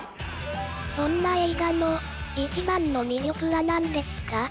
こんな映画の一番の魅力はなんですか。